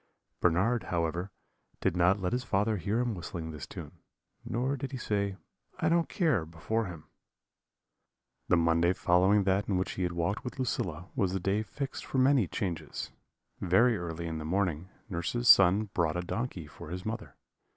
"Bernard, however, did not let his father hear him whistling this tune, nor did he say, 'I don't care,' before him. "The Monday following that in which he had walked with Lucilla was the day fixed for the many changes. Very early in the morning, nurse's son brought a donkey for his mother.